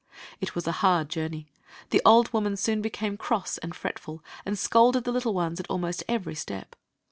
It was a hard journey. The old woman soon became cross and fretful, and scolded the little ones at almost every step.